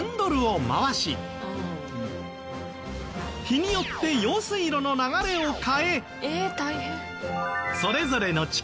日によって用水路の流れを変え。